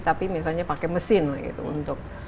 tapi misalnya pakai mesin